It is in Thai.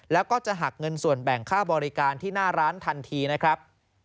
แล้วก็จะหักเงินส่วนแบ่งค่าบริการที่หน้าร้านทันทีนะครับ